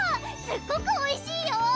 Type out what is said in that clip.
すっごくおいしいよ！